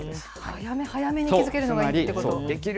早め早めに気付けるのがいいっていうことですね。